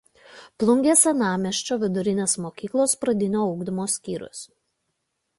Plungės Senamiesčio vidurinės mokyklos pradinio ugdymo skyrius.